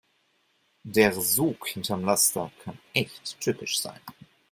Der Sog hinterm Laster kann echt tückisch sein.